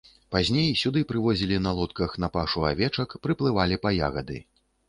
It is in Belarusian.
Пазней сюды прывозілі на лодках на пашу авечак, прыплывалі па ягады.